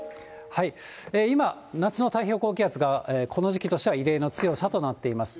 今、夏の太平洋高気圧がこの時期としては異例の強さとなっています。